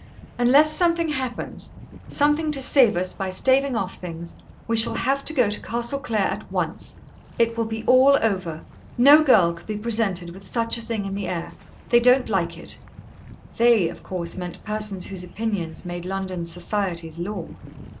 "Unless something happens, something to save us by staving off things, we shall have to go to Castle Clare at once. It will be all over. No girl could be presented with such a thing in the air. They don't like it." "They," of course, meant persons whose opinions made London's society's law.